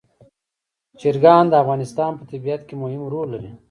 چرګان د افغانستان په طبیعت کې مهم رول لري.